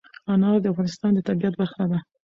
انار د افغانستان د طبیعت برخه ده.